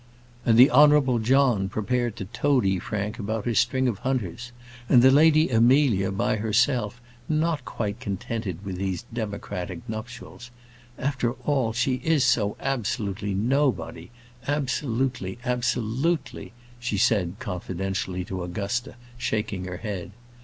And the Honourable John prepared to toady Frank about his string of hunters; and the Lady Amelia, by herself, not quite contented with these democratic nuptials "After all, she is so absolutely nobody; absolutely, absolutely," she said confidentially to Augusta, shaking her head.